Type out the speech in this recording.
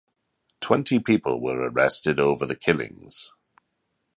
Twenty people were arrested over the killings.